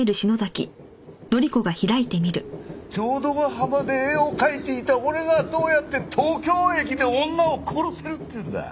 浄土ヶ浜で絵を描いていた俺がどうやって東京駅で女を殺せるっていうんだ。